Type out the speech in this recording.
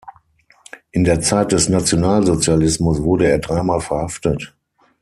In der Zeit des Nationalsozialismus wurde er dreimal verhaftet.